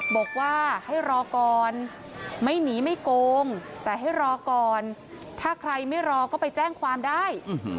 บอกว่าให้รอก่อนไม่หนีไม่โกงแต่ให้รอก่อนถ้าใครไม่รอก็ไปแจ้งความได้